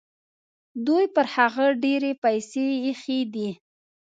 دوی پر هغه ډېرې پیسې ایښي دي.